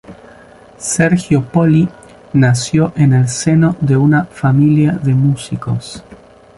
Sergio Poli nació en el seno de una familia de músicos.